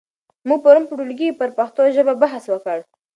موږ پرون په ټولګي کې پر پښتو ژبه بحث وکړ.